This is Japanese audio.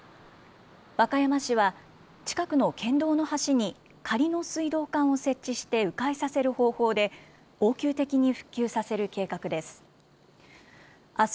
和歌山市は近くの県道の橋に仮の水道管を設置してう回させる方法で、応急的に復旧させる計画です。